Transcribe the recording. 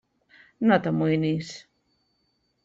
No t'amoïnis.